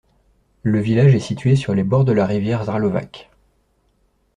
Le village est situé sur les bords de la rivière Ždralovac.